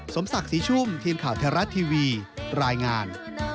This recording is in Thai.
สมศักดิ์ศรีชุ่มทีมข่าวไทยรัฐทีวีรายงาน